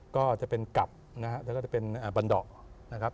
ก็จะเป็นกลับนะฮะแล้วก็จะเป็นบันดอกนะครับ